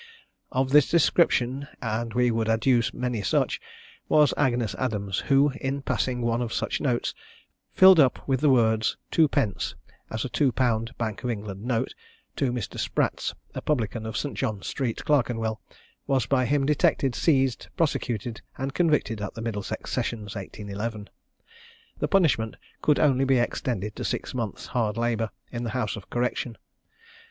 Of this description, and we could adduce many such, was Agnes Adams who, in passing one of such notes, filled up with the words "two pence," as a two pound Bank of England note, to Mr. Spratz, a publican of St. John Street, Clerkenwell, was by him detected, seized, prosecuted and convicted at the Middlesex Sessions, 1811. The punishment could only be extended to six months' hard labour in the House of Correction.